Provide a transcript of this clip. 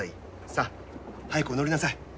さぁ早くお乗りなさい。